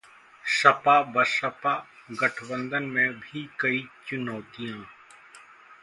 सपा-बसपा गठबंधन में भी कई चुनौतियां